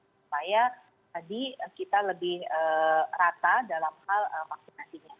supaya tadi kita lebih rata dalam hal vaksinasinya